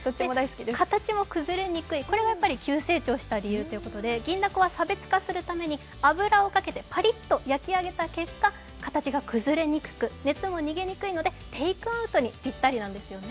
形も崩れにくい、これが急成長した理由ということで、銀だこは差別化するために、油をかけて、パリッとさせたことで形が崩れにくく熱も逃げにくいのでテイクアウトにぴったりなんですよね。